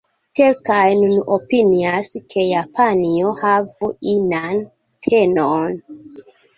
Kelkaj nun opinias, ke Japanio havu inan tenoon.